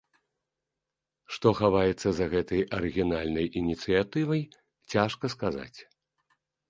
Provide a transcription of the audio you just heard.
Што хаваецца за гэтай арыгінальнай ініцыятывай, цяжка сказаць.